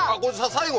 最後？